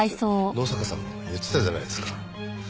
野坂さん言ってたじゃないですか。